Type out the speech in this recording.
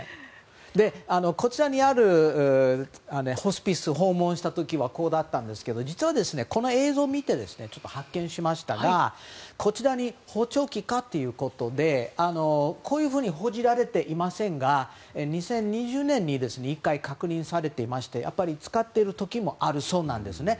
こちらにあるホスピスを訪問した時はこうだったんですけど実は、この映像を見て発見しましたがこちらに補聴器かということでこういうふうに報じられていませんが２０２０年に１回確認されていまして使っている時もあるそうなんですね。